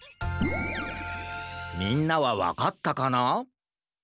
みんなはわかったかな？